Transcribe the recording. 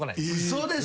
嘘でしょ。